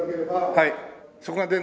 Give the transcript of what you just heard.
はい。